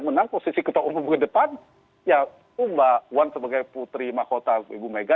mbak puan sebagai putri mahkota ibu mega